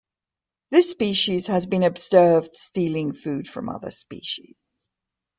This species has been observed stealing food from other species.